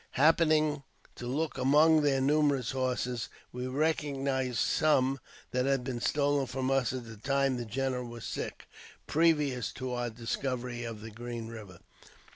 Happening to look among their numerous horses, we recog nized some that had been stolen from us at the time the general was sick, previous to our discovery of the Green Eiver.